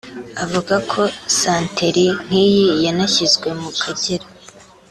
Avuga ko santeri nk’iyi yanashyizwe mu Kagera